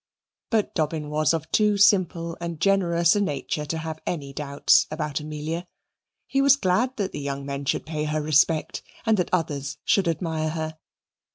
But Dobbin was of too simple and generous a nature to have any doubts about Amelia. He was glad that the young men should pay her respect, and that others should admire her.